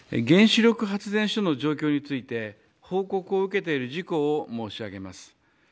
原子力発電所の状況について報告を受けている事項を申し上げます。